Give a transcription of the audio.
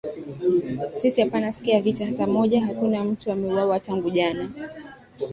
sisi apana sikia vita hata moja hakuna mtu ameuwawa tangu jana